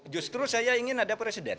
justru saya ingin ada presiden